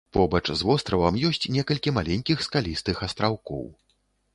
Побач з востравам ёсць некалькі маленькіх скалістых астраўкоў.